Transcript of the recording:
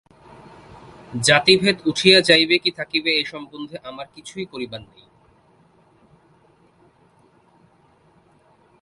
জাতিভেদ উঠিয়া যাইবে কি থাকিবে, এ সম্বন্ধে আমার কিছুই করিবার নাই।